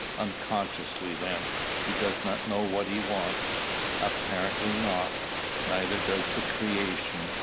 "Unconsciously, then. He does not know what he wants." "Apparently, not. Neither does the creation.